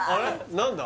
何だ？